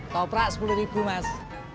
toprak sepuluh ribu mas